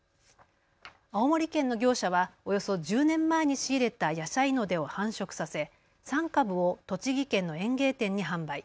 青森県の業者はおよそ１０年前に仕入れたヤシャイノデを繁殖させ３株を栃木県の園芸店に販売。